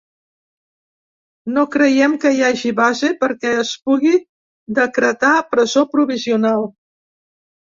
No creiem que hi hagi base perquè es pugui decretar presó provisional.